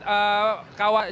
jalan sebelum masuk underpass